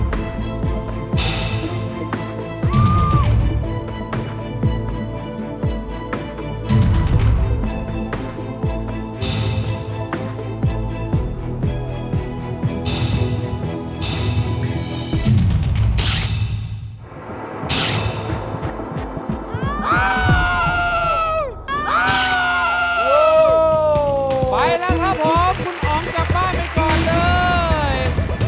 ไปแล้วครับผมคุณอ๋องกลับบ้านไปก่อนเลย